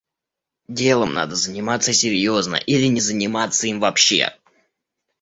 Делом надо заниматься серьезно или не заниматься им вообще.